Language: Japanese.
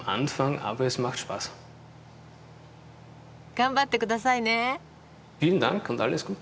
頑張ってくださいね。